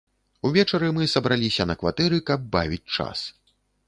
Увечары мы сабраліся на кватэры, каб бавіць час.